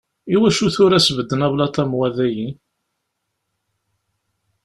Iwacu tura sbedden ablaḍ am wa dayi?